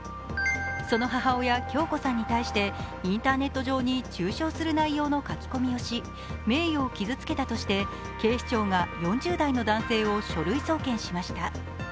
その母親・響子さんに対してインターネット上に中傷する内容の書き込みをし、名誉を傷つけたとして警視庁が４０代の男性を書類送検しました。